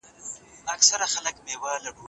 پلنډه نه وه د طلاوو خزانه وه